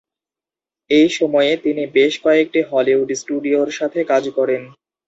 এই সময়ে তিনি বেশ কয়েকটি হলিউড স্টুডিওর সাথে কাজ করেন।